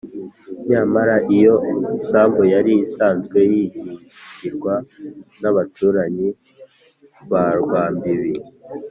nyamara iyo sambu yari isanzwe yihingirwa n’abaturanyi ba rwambibi